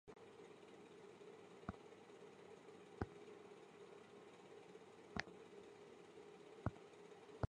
泰累尔在南非开普敦大学完成了早期的学业。